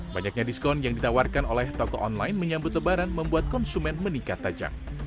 banyaknya diskon yang ditawarkan oleh toko online menyambut lebaran membuat konsumen meningkat tajam